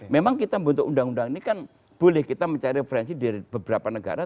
memang kita membentuk undang undang ini kan boleh kita mencari referensi dari beberapa negara